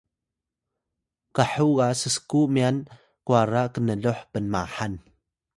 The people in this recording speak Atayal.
khuw ga ssku myan kwara knloh pnmahan